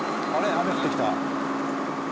雨降ってきた。